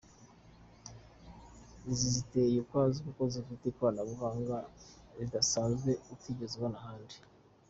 Izi ziteye ukwazo kuko zifite ikoranabuhanga ridasanzwe utigeze ubona ahandi.